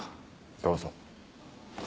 どうぞ。